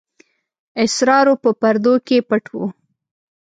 اسرارو په پردو کې پټ وو.